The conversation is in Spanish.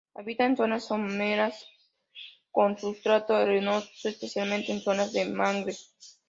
Habita en zonas someras con sustrato arenoso, especialmente en zonas de mangle.